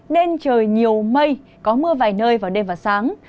nên trời nhiều mây có mưa vài nơi vào đêm và sáng